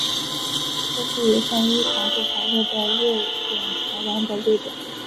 这是一份依长度排列的瑞典桥梁的列表